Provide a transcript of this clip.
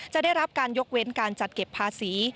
ได้รับการยกเว้นการจัดเก็บภาษี